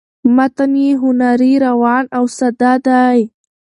متن یې هنري ،روان او ساده دی